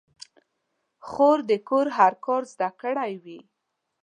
خور د کور هر کار زده کړی وي.